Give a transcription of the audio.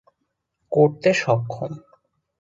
করতে সক্ষম।